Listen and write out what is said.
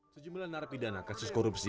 sejumlah narapidana kasus korupsi